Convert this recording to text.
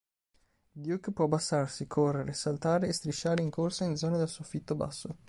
Duke può abbassarsi, correre, saltare, e strisciare in corsa in zone dal soffitto basso.